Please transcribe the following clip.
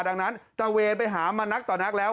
ดังนั้นตระเวนไปหามานักต่อนักแล้ว